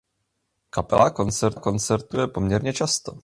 Kapela koncertuje poměrně často.